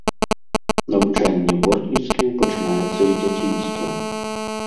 Навучанне бортніцтву пачынаецца з дзяцінства.